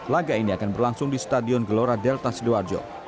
laga ini akan berlangsung di stadion gelora delta sidoarjo